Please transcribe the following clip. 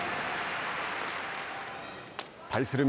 対する翠